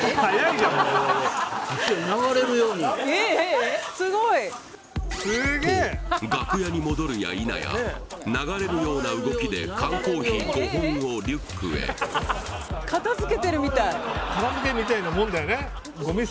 流れるようにえっえっすごい！と楽屋に戻るやいなや流れるような動きで缶コーヒー５本をリュックへ片付けみたいなもんだよね